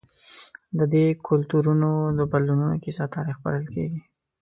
د دې کلتورونو د بدلونونو کیسه تاریخ بلل کېږي.